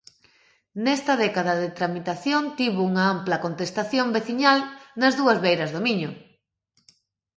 Nesta década de tramitación tivo unha ampla contestación veciñal nas dúas beiras do Miño.